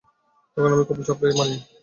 তখন আমি কপাল চাপড়াইয়া মরি।